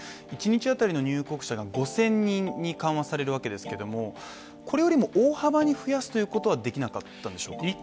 一日当たりの入国者が５０００人に緩和されるわけですけれども、これよりも大幅に増やすことはできなかったんでしょうか？